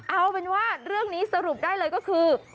เอาเป็นว่าเรื่องนี้สรุปได้เลยก็คือ